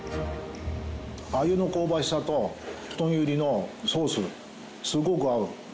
アユの香ばしさと太きゅうりのソースすっごく合う。